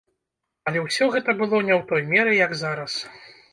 Але ўсё гэта было не ў той меры, як зараз.